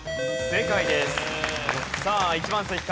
正解です。